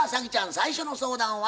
最初の相談は？